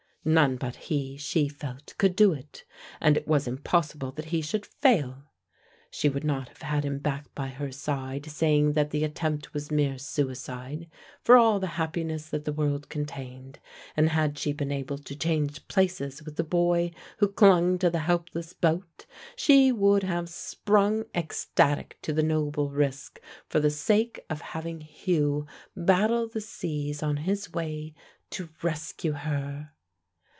None but he, she felt, could do it, and it was impossible that he should fail. She would not have had him back by her side saying that the attempt was mere suicide, for all the happiness that the world contained, and had she been able to change places with the boy who clung to the helpless boat, she would have sprung ecstatic to the noble risk, for the sake of having Hugh battle the seas on his way to rescue her.